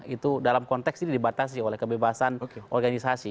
itu dalam konteks ini dibatasi oleh kebebasan organisasi